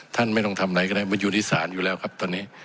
ท่านไม่ต้องทำอะไรก็ได้มันอยู่ที่ศาลอยู่แล้วครับตอนนี้